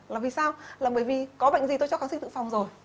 là vì sao là bởi vì có bệnh gì tôi cho kháng sinh tự phòng rồi